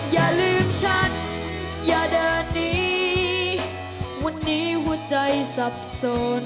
อย่าลืมฉันอย่าเดินหนีวันนี้หัวใจสับสน